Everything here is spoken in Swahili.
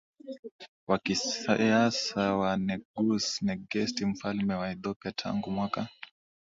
wa kisiasa wa Negus Negesti Mfalme wa Ethiopia Tangu mwaka